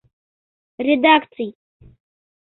Редакций